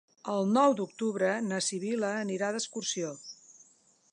El nou d'octubre na Sibil·la anirà d'excursió.